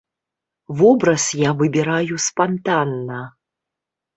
Вобраз я выбіраю спантанна.